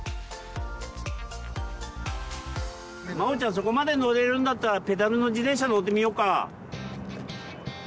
そこまで乗れるんだったらペダルの自転車乗ってみようか。